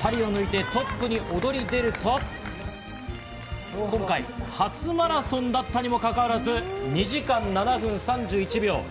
２人を抜いてトップに躍り出ると、今回、初マラソンだったにもかかわらず２時間７分３１秒。